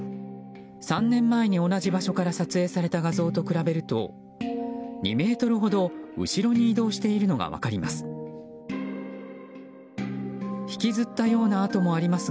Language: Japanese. ３年前に同じ場所から撮影された画像と比べると２ｍほど後ろに移動しているのが分かります。